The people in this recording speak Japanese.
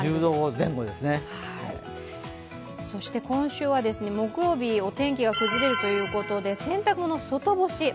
今週は木曜日、お天気が崩れるということで洗濯物、外干し。